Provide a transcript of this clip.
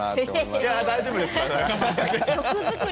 いや、大丈夫です。